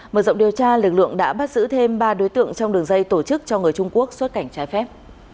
mở rộng điều tra lực lượng đã bắt giữ thêm ba đối tượng trong đường dây tổ chức cho người trung quốc xuất cảnh trái phép